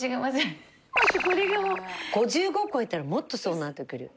５５超えたらもっとそうなってくる。